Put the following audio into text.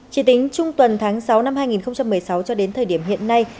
chỉ tính trung tuần tháng sáu năm hai nghìn một mươi sáu cho đến thời điểm hiện nay